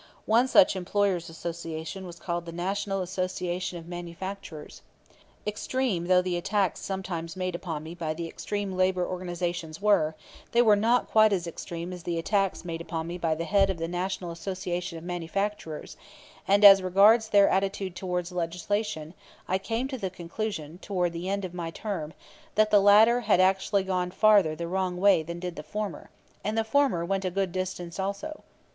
One such employers' association was called the National Association of Manufacturers. Extreme though the attacks sometimes made upon me by the extreme labor organizations were, they were not quite as extreme as the attacks made upon me by the head of the National Association of Manufacturers, and as regards their attitude toward legislation I came to the conclusion toward the end of my term that the latter had actually gone further the wrong way than did the former and the former went a good distance also.